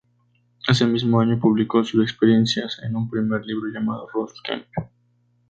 Ese mismo año publicó sus experiencias en un primer libro llamado, "Ross Kemp.